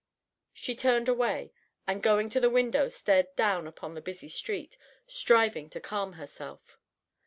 She turned away, and, going to the window, stared down upon the busy street, striving to calm herself.